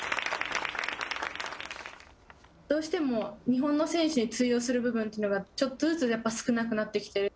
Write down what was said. どうしても日本の選手に通用する部分というのが、ちょっとずつ少なくなってきている。